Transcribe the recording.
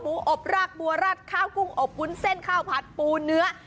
อบรากบัวราดข้าวกุ้งอบวุ้นเส้นข้าวผัดปูเนื้อ